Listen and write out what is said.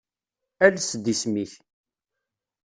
Ales-d isem-ik.